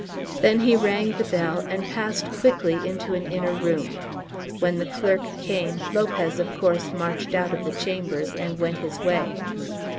Then he rang the bell and passed quickly into an inner room. When the clerk came Lopez of course marched out of the chambers and went his way.